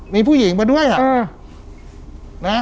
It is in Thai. มีผู้หญิงมาด้วย